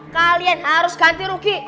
kalian harus ganti rugi